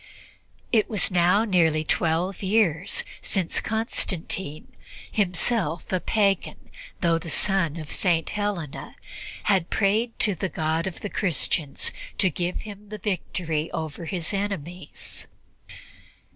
It was now nearly twelve years since Constantine, himself a pagan, though the son of St. Helena, had prayed to the God of the Christians to give him the victory over his enemies.